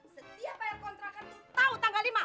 setiap bayar kontrakan tahu tanggal lima